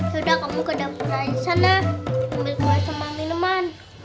yaudah kamu kedepan aja sana ambil kue sama minuman